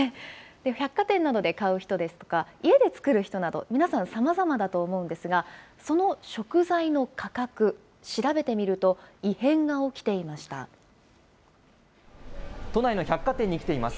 百貨店などで買う人ですとか、家で作る人など、皆さん、さまざまだと思うんですが、その食材の価格、調べてみると、異変が起きて都内の百貨店に来ています。